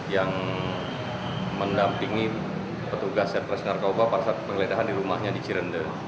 yang mendampingi petugas serta senar kawpa pada saat pengeledahan di rumahnya di cirende